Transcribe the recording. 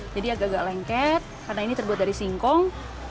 jadi agak agak lengket karena ini terbuat dari singkong